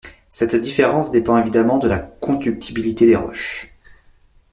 Cette différence dépend évidemment de la conductibilité des roches.